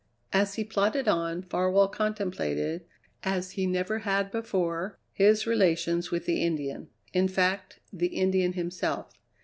As he plodded on Farwell contemplated, as he never had before, his relations with the Indian; in fact, the Indian himself.